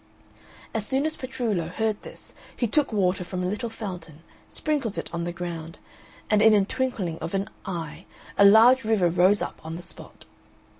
As soon as Petrullo heard this he took water from a little fountain, sprinkled it on the ground, and in an twinkling of an eye a large river rose up on the spot.